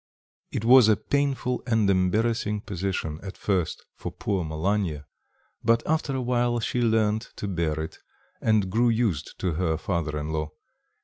It was a painful and embarrassing position at first for poor Malanya, but, after a while, she learnt to bear it, and grew used to her father in law.